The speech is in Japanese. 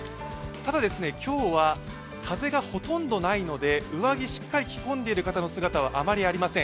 ただ今日は風がほとんどないので上着しっかり着込んでいる方の姿はあまりありません。